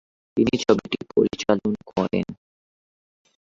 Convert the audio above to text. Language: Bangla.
তিনি ছবিটি পরিচালন করেন।